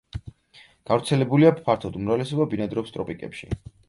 გავრცელებულია ფართოდ, უმრავლესობა ბინადრობს ტროპიკებში.